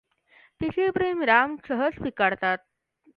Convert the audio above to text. तिचे प्रेम राम सहज स्वीकारतात.